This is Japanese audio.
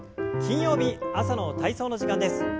金曜日朝の体操の時間です。